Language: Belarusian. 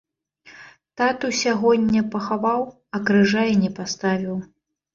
Тату сягоння пахаваў, а крыжа і не паставіў.